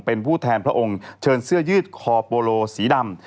เป็นผู้แทนพระองค์เชิญเสื้อยืดคอโปโลสีดำ